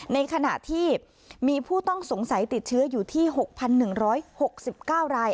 ในขณะที่มีผู้ต้องสงสัยติดเชื้ออยู่ที่๖๑๖๙ราย